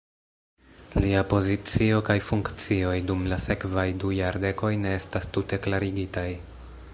Lia pozicio kaj funkcioj dum la sekvaj du jardekoj ne estas tute klarigitaj.